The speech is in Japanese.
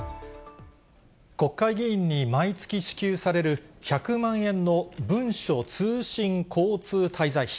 国会議員に毎月支給される、１００万円の文書通信交通滞在費。